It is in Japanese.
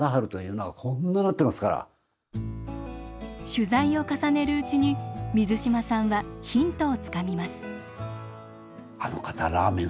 取材を重ねるうちに水島さんはヒントをつかみます。